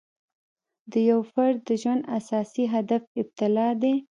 د یو فرد د ژوند اساسي هدف ابتلأ دی.